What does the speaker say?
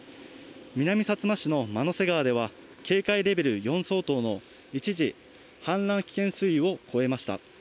南さつま市の万之瀬川では警戒レベル４相当の一時氾濫危険水位を超えました。